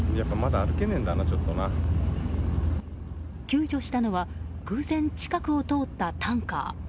救助したのは偶然近くを通ったタンカー。